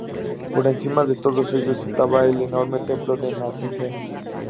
Por encima de todos ellos estaba el enorme templo de Nanzen-ji.